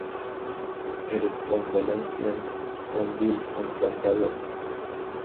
It is from Valenciennes, from Lille, and from Paris.